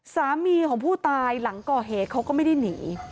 สามีของผู้ตายหลังก่อเหตุเขาก็ไม่ได้หนี